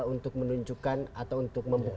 untuk menunjukkan atau untuk membuka